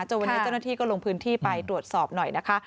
จนวันนี้เจ้าหน้าที่ก็ลงพื้นที่ไปตรวจสอบหน่อยนะคะ